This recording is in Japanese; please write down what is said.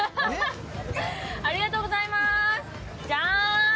ありがとうございます、ジャーン！